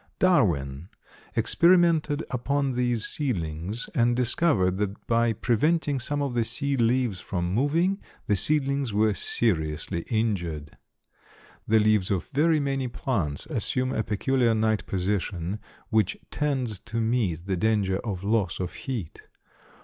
Darwin experimented upon these seedlings, and discovered that by preventing some of the seed leaves from moving, the seedlings were seriously injured. The leaves of very many plants assume a peculiar night position which tends to meet the danger of loss of heat.